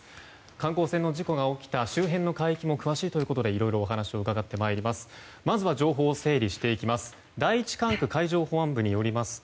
観光船の事故が起きた周辺の海域も詳しいということでいろいろお話を伺ってまいります。